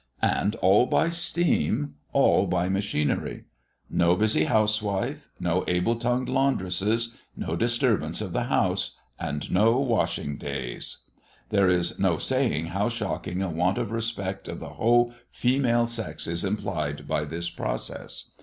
And all by steam all by machinery! No busy housewife no able tongued laundresses no disturbance of the house and no washing days! There is no saying how shocking a want of respect of the whole female sex is implied by this process!